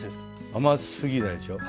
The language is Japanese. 甘すぎないでしょう。